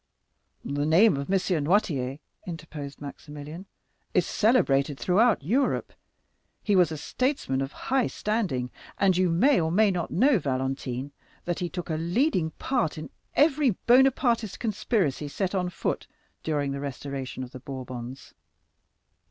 "The name of M. Noirtier," interposed Maximilian, "is celebrated throughout Europe; he was a statesman of high standing, and you may or may not know, Valentine, that he took a leading part in every Bonapartist conspiracy set on foot during the restoration of the Bourbons."